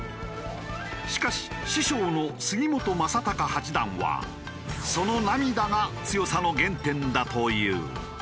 しかし師匠の杉本昌隆八段はその涙が強さの原点だという。